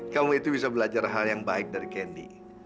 kamu itu bisa belajar hal yang baik dari kendi